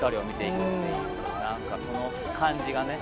何かその感じがね。